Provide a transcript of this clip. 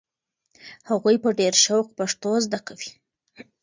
هغوی په ډېر شوق پښتو زده کوي.